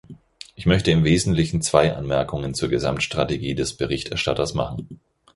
Ich möchte im Wesentlichen zwei Anmerkungen zur Gesamtstrategie des Berichterstatters machen.